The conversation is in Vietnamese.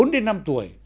bốn đến năm tuổi